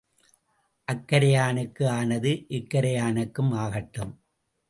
அக்கரையானுக்கு ஆனது இக்கரையானுக்கும் ஆகட்டும்.